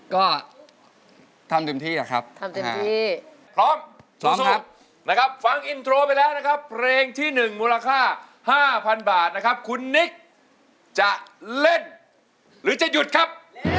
ก็ทำเต็มที่ครับทำเต็มที่พร้อมสูงสุดนะครับฟังอินโทรไปแล้วนะครับเพลงที่๑มูลค่า๕๐๐๐บาทนะครับคุณนิกจะเล่นหรือจะหยุดครับ